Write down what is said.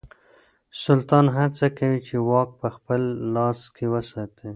سلطان هڅه کوي چې واک په خپل لاس کې وساتي.